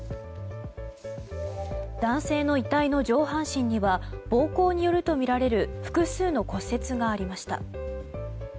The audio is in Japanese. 男性の遺体の上半身には暴行によるとみられる複数の骨折がありました。